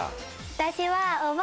私は。